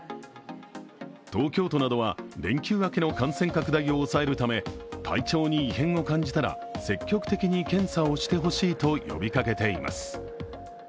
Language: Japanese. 東京都などは連休明けの感染拡大を抑えるため体調に異変を感じたら積極的に検査をしてほしいと呼びかけています。